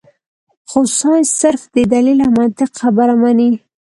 خو سائنس صرف د دليل او منطق خبره مني -